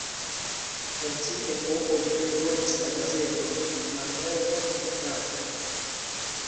En tiu epoko ĝi eldonis la gazeton La Nova Etapo.